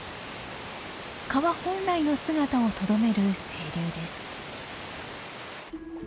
川本来の姿をとどめる清流です。